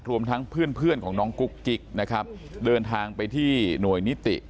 รวมทั้งเพื่อนเพื่อนของน้องกุ๊กกิ๊กนะครับเดินทางไปที่หน่วยนิติ